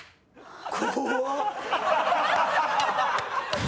怖っ。